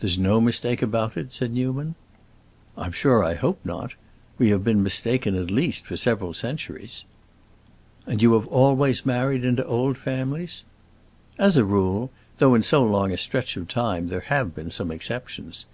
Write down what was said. "There is no mistake about it?" said Newman. "I'm sure I hope not. We have been mistaken at least for several centuries." "And you have always married into old families?" "As a rule; though in so long a stretch of time there have been some exceptions.